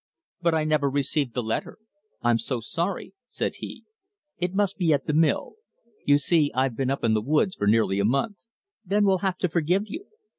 "But I never received the letter. I'm so sorry," said he. "It must be at the mill. You see, I've been up in the woods for nearly a month." "Then we'll have to forgive you."